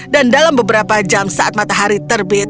dan dalam beberapa jam saat matahari terbit